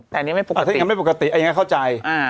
แต่อันนี้ไม่ปกติถ้ายังไม่ปกติอันนี้เข้าใจ